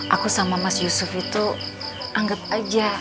aku sama mas yusuf itu anggap aja